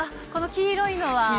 この黄色いのは。